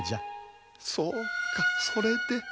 そうかそれで。